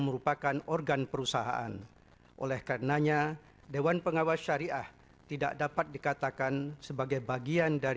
merupakan organ perusahaan oleh karenanya dewan pengawas syariah tidak dapat dikatakan sebagai bagian dari